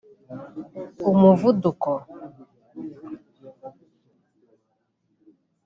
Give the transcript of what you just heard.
umuvuduko